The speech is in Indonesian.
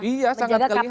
iya sangat kelihatan